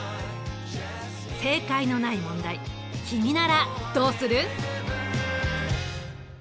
正解のない問題君ならどうする？